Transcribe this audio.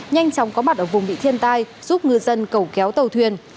nhanh chóng có mặt ở vùng bị thiên tai giúp ngư dân cầu kéo tàu thuyền